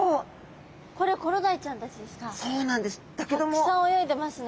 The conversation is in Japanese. たくさん泳いでますね。